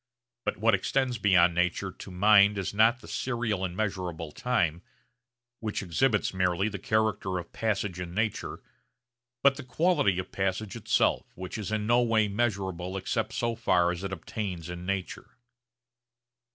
But what extends beyond nature to mind is not the serial and measurable time, which exhibits merely the character of passage in nature, but the quality of passage itself which is in no way measurable except so far as it obtains in nature.